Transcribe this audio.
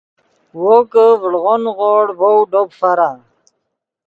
وو کہ ڤڑغو نیغوڑ ڤؤ ڈوپ فرا